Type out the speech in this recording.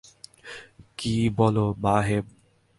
কী বলো মা হেম?